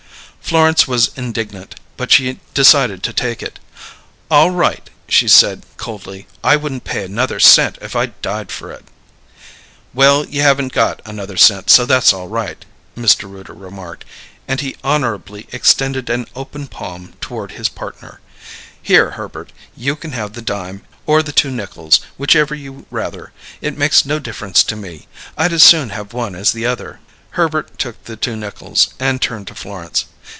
Florence was indignant, but she decided to take it. "All right," she said coldly. "I wouldn't pay another cent if I died for it." "Well, you haven't got another cent, so that's all right," Mr. Rooter remarked; and he honourably extended an open palm toward his partner. "Here, Herbert; you can have the dime, or the two nickels, whichever you rather. It makes no difference to me; I'd as soon have one as the other." Herbert took the two nickels, and turned to Florence.